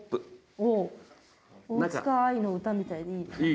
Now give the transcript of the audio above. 大塚愛の歌みたいでいい。